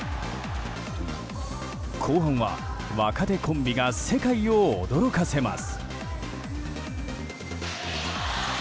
後半は若手コンビが世界を驚かせます。